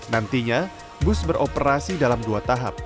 nantinya bus beroperasi dalam dua tahap